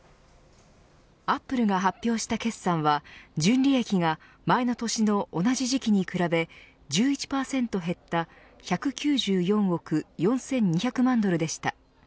アップルが発表した決算は純利益が前の年の同じ時期に比べ１１％減った１９４億４２００万ドルでした。